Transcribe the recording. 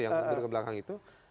yang kebelakang itu